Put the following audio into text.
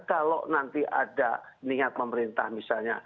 kalau nanti ada niat pemerintah misalnya